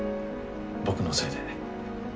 僕のせいで。